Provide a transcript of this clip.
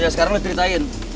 iya sekarang lu ceritain